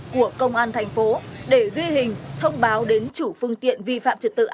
của công an tp vịnh yên để duy hình thông báo đến chủ phương tiện vi phạm trực tự